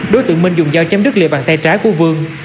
đối tượng minh dùng dao chém đứt lìa bằng tay trái của vương